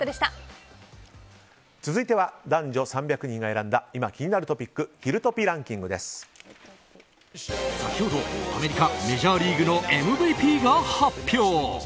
続いては男女３００人が選んだ今気になるトピック先ほど、アメリカメジャーリーグのＭＶＰが発表。